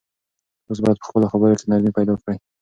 تاسو باید په خپلو خبرو کې نرمي پیدا کړئ.